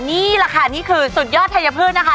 นี่แหละค่ะนี่คือสุดยอดไทยพืชนะคะ